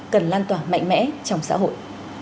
cần lan tỏa mạnh mẽ trong xã hội